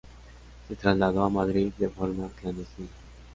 Se trasladó a Madrid de forma clandestina.